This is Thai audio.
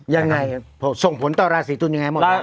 ยังไงส่งผลต่อราศีตุลยังไงหมดแล้ว